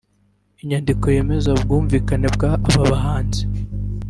Inyandiko yemeza ubwumvikane bw’aba bahanzi